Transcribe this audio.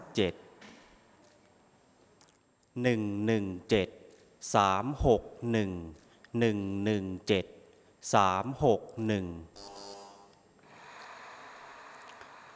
ออกรวมที่๕ครั้งที่๕๗